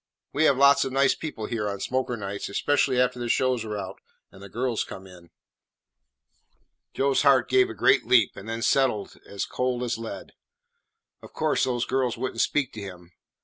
We have lots of nice people here on smoker nights, especially after the shows are out and the girls come in." Joe's heart gave a great leap, and then settled as cold as lead. Of course, those girls would n't speak to him.